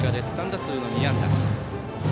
３打数２安打。